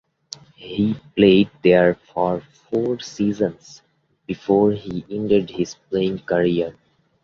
He played there for four seasons before he ended his playing career.